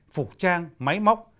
phục trang máy móc